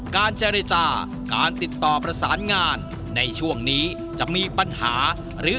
การเจรจาการติดต่อประสานงานในช่วงนี้จะมีปัญหาหรือขัดแย้งเกิดขึ้น